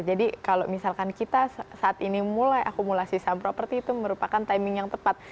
jadi kalau misalkan kita saat ini mulai akumulasi saham properti itu merupakan timing yang tepat